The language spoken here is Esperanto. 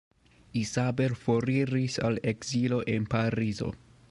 Isabel foriris al ekzilo en Parizo.